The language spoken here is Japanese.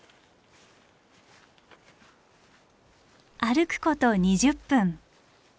歩くこと２０分。